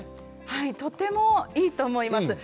はいとてもいいと思います。